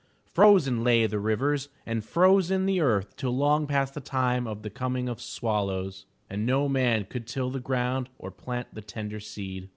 Frozen lay the rivers, and frozen the earth till long past the time for the coming of swallows, and no man could till the ground or plant the tender seed.